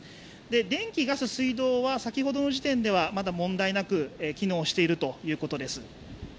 電気、ガス、水道は先ほどの時点では問題なく機能しているということです。